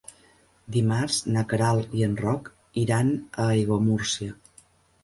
Dimarts na Queralt i en Roc iran a Aiguamúrcia.